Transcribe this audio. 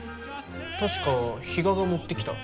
確か比嘉が持ってきた。